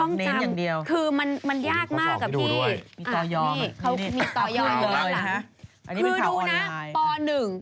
เน้นอย่างเดียวคือมันยากมากกับพี่อะนี่เขามีต่อยอมแล้วหลังคือดูนะป๑